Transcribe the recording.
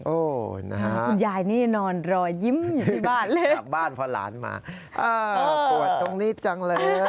คุณยายนี่นอนรอยิ้มอยู่ที่บ้านเลยออกบ้านพอหลานมาปวดตรงนี้จังเลย